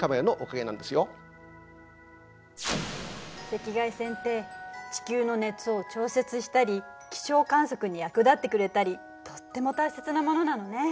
赤外線って地球の熱を調節したり気象観測に役立ってくれたりとっても大切なものなのね。